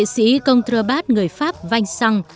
sĩ công thừa bát người pháp vanh sang